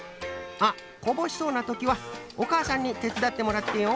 あっこぼしそうなときはおかあさんにてつだってもらってよ。